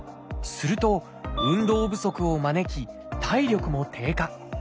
すると運動不足を招き体力も低下。